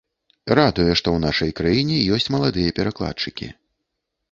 Радуе, што ў нашай краіне ёсць маладыя перакладчыкі.